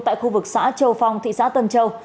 tại khu vực xã châu phong thị xã tân châu